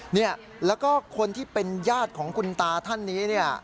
เนี่ยแล้วก็คนที่เป็นญาติของคุณตาท่านนี้เนี่ย